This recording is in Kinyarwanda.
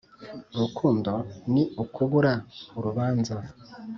urukundo ni ukubura urubanza.